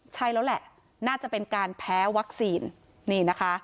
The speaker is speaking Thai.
ใช่แล้วแหละน่าจะเป็นการแพ้วัคซีนนี่นะคะ